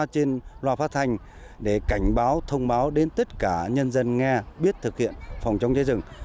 trên loa phát thanh để cảnh báo thông báo đến tất cả nhân dân nghe biết thực hiện phòng chống cháy rừng